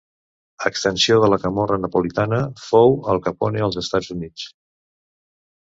Extensió de la Camorra napolitana fou Al Capone als Estats Units.